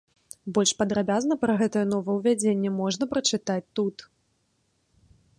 Больш падрабязна пра гэтае новаўвядзенне можна прачытаць тут.